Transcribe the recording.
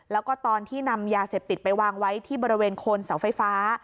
แล้วก็ตอนที่นำยาเสพติดไปวางไว้ที่บริเวณโคนเสาไฟฟ้า